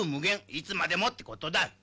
いつまでもってことだ」